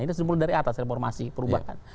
ini simul dari atas reformasi perubahan